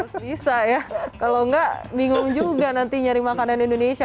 bisa ya kalau enggak bingung juga nanti nyari makanan indonesia